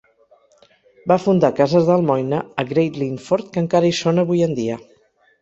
Va fundar cases d'almoina a Great Linford que encara hi són avui en dia.